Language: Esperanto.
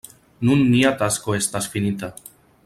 Nun nia tasko estas finita.